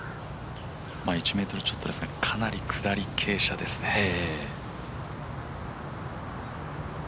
１ｍちょっとですが、かなり下り傾斜ですね。